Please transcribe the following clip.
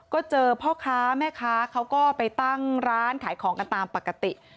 ก็เจอพ่อค้าแม่ค้าเขาก็ไปตั้งร้านขายของกันตามปกติ